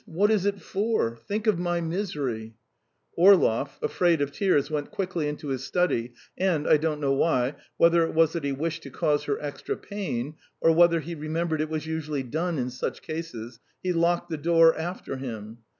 "What is it for? Think of my misery ...." Orlov, afraid of tears, went quickly into his study, and I don't know why whether it was that he wished to cause her extra pain, or whether he remembered it was usually done in such cases he locked the door after him.